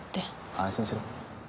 安心しろ。